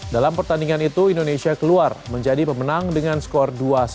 dalam pertandingan itu indonesia keluar menjadi pemenang dengan skor dua satu